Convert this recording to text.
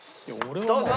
どうぞ！